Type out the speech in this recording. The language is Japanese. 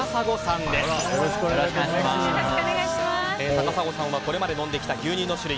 高砂さんはこれまで飲んできた牛乳の種類